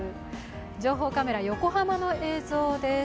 情報カメラ、横浜の映像です。